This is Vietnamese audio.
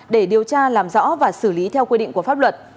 để điều tra làm rõ và xử lý theo quy định của pháp luật